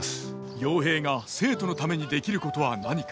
陽平が生徒のためにできることは何か。